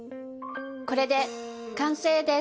これで完成です。